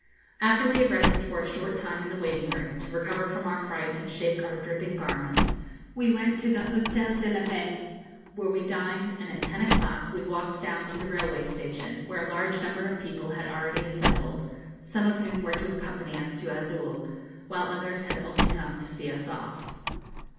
After we had rested for a short time in the waiting room, to recover from our fright and shake our dripping garments, we went to the Hôtel de la Paix, where we dined, and at ten o'clock we walked down to the railway station, where a large number of people had already assembled, some of whom were to accompany us to Azul, while others had only come to see us off.